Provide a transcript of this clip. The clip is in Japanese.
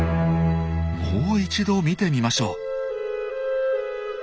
もう一度見てみましょう。